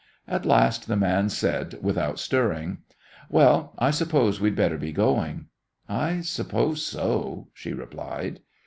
At last the man said, without stirring: "Well, I suppose we'd better be going." "I suppose so," she replied.